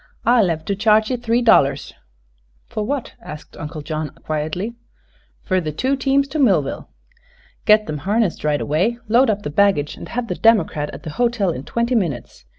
"I'll hev to charge ye three dollars." "For what?" asked Uncle John, quietly. "Fer the two teams to Millville." "Get them harnessed right away, load up the baggage, and have the democrat at the hotel in twenty minutes.